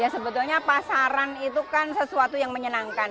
sebetulnya pasaran itu kan sesuatu yang menyenangkan